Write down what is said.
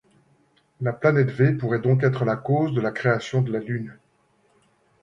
La planète V pourrait donc être la cause de la création de la Lune.